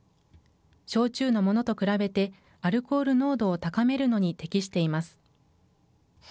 焼酎のものと比べてアルコール濃度を高めるのに適しています。